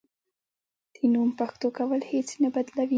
د نوم پښتو کول هیڅ نه بدلوي.